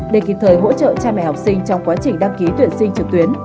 để kịp thời hỗ trợ cha mẹ học sinh trong quá trình đăng ký tuyển sinh trực tuyến